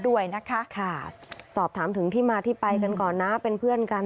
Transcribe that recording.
ด้วยนะคะค่ะสอบถามถึงที่มาที่ไปกันก่อนนะเป็นเพื่อนกัน